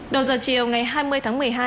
đầu giờ chiều ngày hai mươi tháng một mươi hai